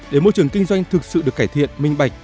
để môi trường kinh doanh thực sự được cải thiện minh bạch